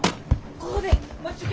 ここで待っちょけ。